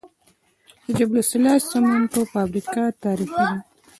د جبل السراج سمنټو فابریکه تاریخي ده